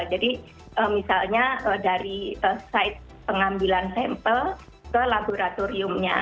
jadi misalnya dari site pengambilan sampel ke laboratoriumnya